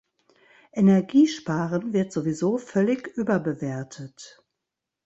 Energiesparen wird sowieso völlig überbewertet.